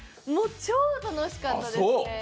超楽しかったですね。